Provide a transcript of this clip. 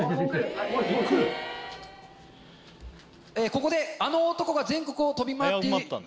ここであの男が全国を飛び回っているようです。